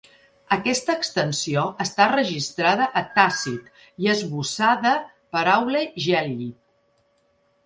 Aquesta extensió està registrada a Tàcit i esbossada per Aule Gelli.